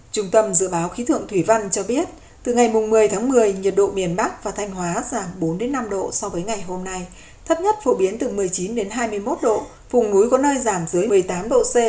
trung tâm dự báo khí tượng thủy văn cho biết từ ngày một mươi tháng một mươi nhiệt độ miền bắc và thanh hóa giảm bốn năm độ so với ngày hôm nay thấp nhất phổ biến từ một mươi chín hai mươi một độ vùng núi có nơi giảm dưới một mươi tám độ c